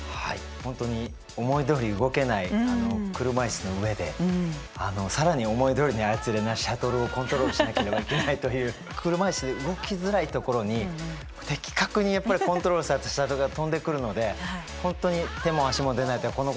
本当に思いどおり動けない車いすの上で更に思いどおりに操れないシャトルをコントロールしなければいけないという車いすで動きづらいところに的確にやっぱりコントロールされたシャトルが飛んでくるので本当に手も足も出ないってこのことだなっていうふうに思いましたね。